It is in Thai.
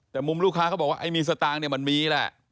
แต่มุมลูกค้าก็บอกว่ามีสตังค์มันมีแหละ